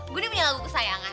gue dia punya lagu kesayangan